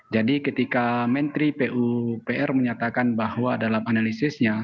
jadi ketika menteri pupr menyatakan bahwa dalam analisisnya